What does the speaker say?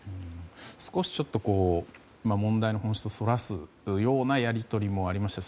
少し問題の本質をそらすようなやり取りもありました。